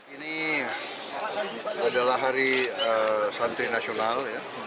ini adalah hari santri nasional